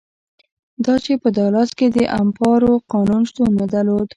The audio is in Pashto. دا چې په دالاس کې د امپارو قانون شتون نه درلود.